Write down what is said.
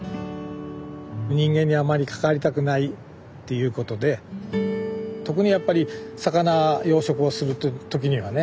人間にあまり関わりたくないっていうことで特にやっぱり魚養殖をする時にはね